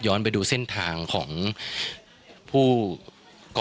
ย้อนไปดูเส้นทางของผู้ก่อเหตุนะครับ